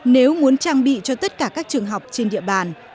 nếu muốn trang bị cho tất cả các trường học trên địa bàn